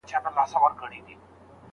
د مالونو په خرڅلاو کي لږه ګټه وشوه.